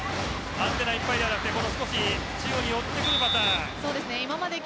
アンテナいっぱいではなく中央に寄ってくるパターン。